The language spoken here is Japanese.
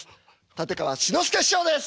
立川志の輔師匠です！